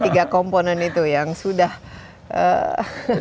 tiga komponen itu yang sudah ee